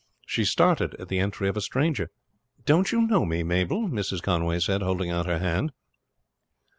She started at the entry of a stranger. "Don't you know me, Mabel?" Mrs. Conway said, holding out her hand.